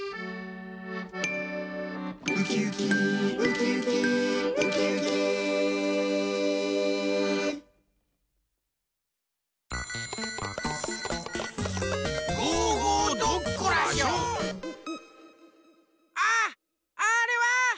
ウキウキウキウキウキウキあっあれは！